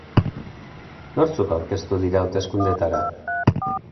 Nortzuk aurkeztu dira hauteskundeetara?